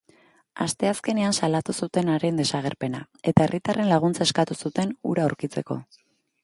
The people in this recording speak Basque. Asteazkenean salatu zuten haren desagerpena, eta herritarren laguntza eskatu zuten hura aurkitzeko.